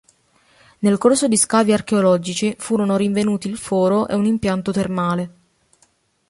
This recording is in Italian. Nel corso di scavi archeologici, furono rinvenuti il Foro e un impianto termale.